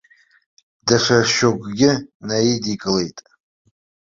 Даҽа шьоукгьы наидикылеит.